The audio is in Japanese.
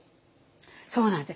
そうなんです。